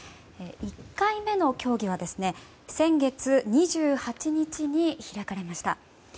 １回目の協議は先月２８日に開かれました。